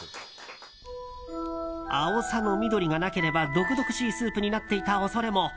あおさの緑がなければ毒々しいスープになっていた恐れも。